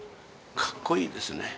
かっこいいですね。